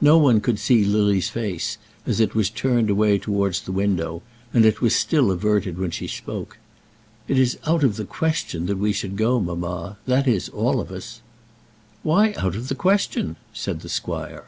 No one could see Lily's face, as it was turned away towards the window, and it was still averted when she spoke. "It is out of the question that we should go, mamma; that is, all of us." "Why out of the question?" said the squire.